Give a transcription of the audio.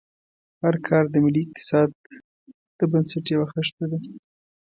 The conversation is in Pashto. هر کارګر د ملي اقتصاد د بنسټ یوه خښته ده.